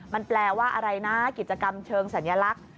มันแปลว่าอะไรนะกิจกรรมเชิงสัญลักษณ์